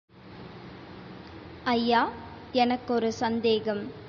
ஐயா எனக்கொரு சந்தேகம்.